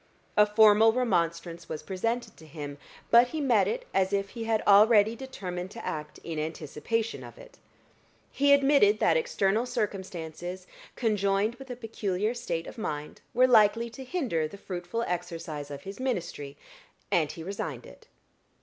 A formal remonstrance was presented to him, but he met it as if he had already determined to act in anticipation of it. He admitted that external circumstances, conjoined with a peculiar state of mind, were likely to hinder the fruitful exercise of his ministry, and he resigned it.